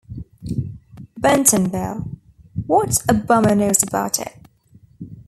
Bentonville: what a bummer knows about it.